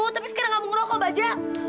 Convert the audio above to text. tapi sekarang kamu ngerokok bajak